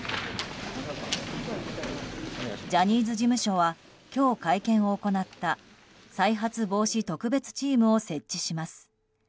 ジャニーズ事務所は今日、会見を行った再発防止特別チームを設置します。